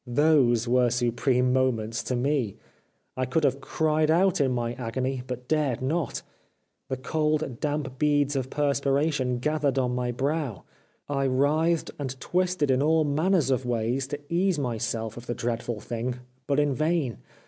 Those were supreme moments to me. I could have cried out in my agony, but dared not. The cold, damp beads of per spiration gathered on my brow ; I writhed and twisted in all manners of ways to ease myself of the dreadful thing, but in vain.